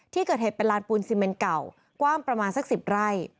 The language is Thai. ที่เกิดเหตุเป็นลานปูนซีเมนเก่ากว้างประมาณสัก๑๐ไร่